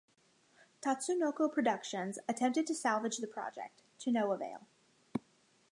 Tatsunoko Productions attempted to salvage the project, to no avail.